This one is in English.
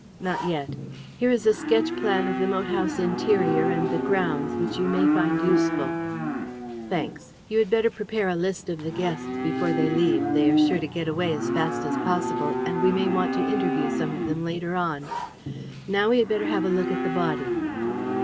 "Not yet. Here is a sketch plan of the moat house interior and the grounds which you may find useful." "Thanks. You had better prepare a list of the guests before they leave. They are sure to get away as fast as possible, and we may want to interview some of them later on. Now we had better have a look at the body."